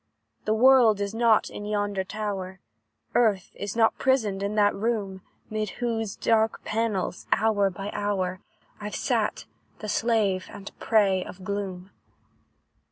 "The world is not in yonder tower, Earth is not prisoned in that room, 'Mid whose dark panels, hour by hour, I've sat, the slave and prey of gloom.